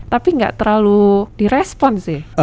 tapi gak terlalu di respons sih